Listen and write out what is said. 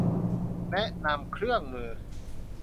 แนะนำเครื่องมือ